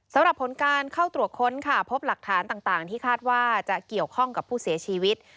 สำหรับผลการเข้าตรวจค้นค่ะพบหลักฐานต่างที่คาดว่าจะเกี่ยวข้องกับผู้เสียชีวิต